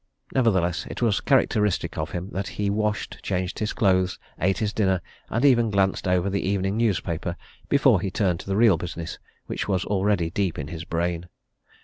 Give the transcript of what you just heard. Nevertheless, it was characteristic of him that he washed, changed his clothes, ate his dinner, and even glanced over the evening newspaper before he turned to the real business which was already deep in his brain.